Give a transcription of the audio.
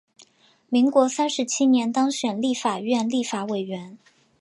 民国三十七年当选立法院立法委员。